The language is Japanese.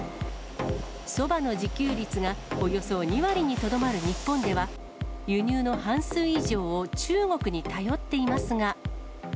そばの自給率がおよそ２割にとどまる日本では、輸入の半数以上を中国に頼っていますが。